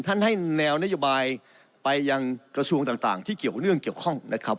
ให้แนวนโยบายไปยังกระทรวงต่างที่เกี่ยวเนื่องเกี่ยวข้องนะครับ